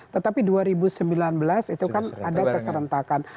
tetapi dua ribu sembilan belas itu kan ada keserentakan